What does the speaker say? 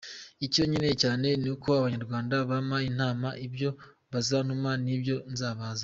Icyo nkeneye cyane ni uko Abanyarwanda bampa inama, ibyo bazantuma nibyo nzabazanira.